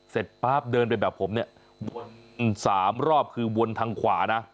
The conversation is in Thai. ป๊าบเดินไปแบบผมเนี่ย๓รอบคือวนทางขวานะ